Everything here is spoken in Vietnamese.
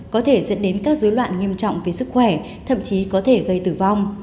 có thể dẫn đến các dối loạn nghiêm trọng về sức khỏe thậm chí có thể gây tử vong